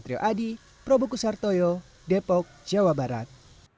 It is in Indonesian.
patrio adi probokusartoyo depok jawa barat